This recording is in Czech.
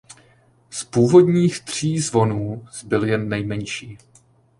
Z původních tří zvonů zbyl jen nejmenší.